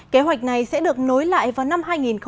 kế hoạch này sẽ được nối lại vào năm hai nghìn hai mươi